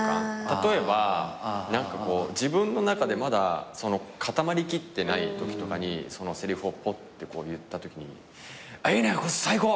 例えば自分の中でまだ固まりきってないときとかにせりふをぽって言ったときに「いいね最高。